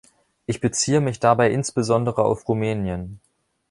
Ich beziehe mich dabei insbesondere auf Rumänien.